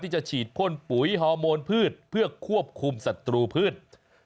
จะฉีดพ่นปุ๋ยฮอร์โมนพืชเพื่อควบคุมศัตรูพืช